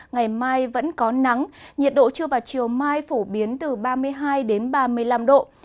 ngày mai vẫn có nắng nhiệt độ trưa và chiều mai phổ biến từ ba mươi hai đến ba mươi năm độ